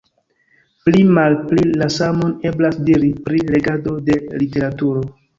Pli-malpli la samon eblas diri pri legado de literaturo.